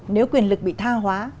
nếu quyền lực bị tha hóa